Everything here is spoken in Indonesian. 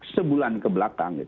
sebulan ke belakang